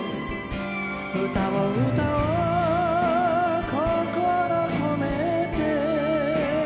「歌を歌おうこころ込めて」